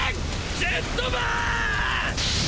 ジェットバーン！！